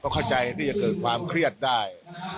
เข้าใจที่จะเกิดความเครียดได้